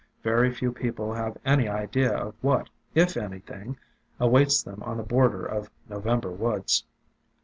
Very few people have any idea of what, if anything, awaits them on the border of November woods."